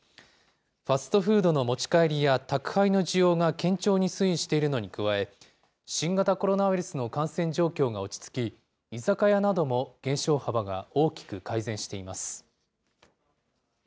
ファストフードの持ち帰りや宅配の需要が堅調に推移しているのに加え、新型コロナウイルスの感染状況が落ち着き、居酒屋なども減少幅が大きく改善しています。